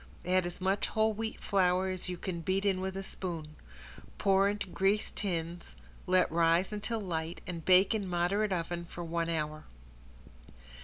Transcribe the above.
Add as much whole wheat flour as you can beat in with a spoon. Pour into greased tins, let rise until light and bake in moderate oven for one hour.